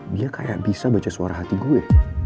dia kayak bisa baca suara hati gue